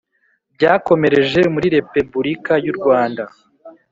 Byakomereje muri Repebulika y u Rwanda